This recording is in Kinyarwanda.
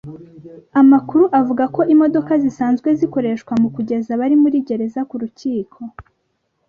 Amakuru avuga ko imodoka zisanzwe zikoreshwa mu kugeza abari muri gereza ku rukiko